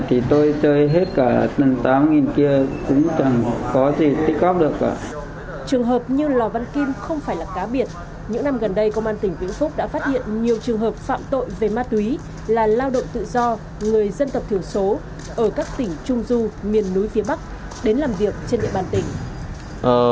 trường hợp như lò văn kim không phải là cá biệt những năm gần đây công an tỉnh vĩnh phúc đã phát hiện nhiều trường hợp phạm tội về ma túy là lao động tự do người dân tộc thiểu số ở các tỉnh trung du miền núi phía bắc đến làm việc trên địa bàn tỉnh